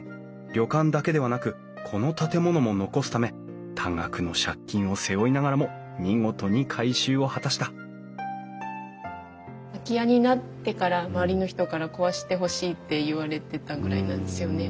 旅館だけではなくこの建物も残すため多額の借金を背負いながらも見事に改修を果たした空き家になってから周りの人から壊してほしいって言われてたぐらいなんですよね。